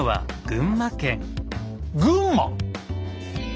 群馬⁉